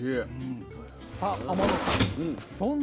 さあ天野さん